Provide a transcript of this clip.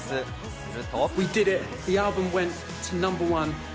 すると。